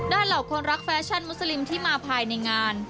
เหล่าคนรักแฟชั่นมุสลิมที่มาภายในงาน